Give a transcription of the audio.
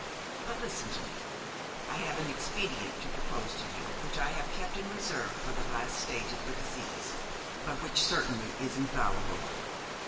But listen to me; I have an expedient to propose to you which I have kept in reserve for the last stage of the disease, but which certainly is infallible."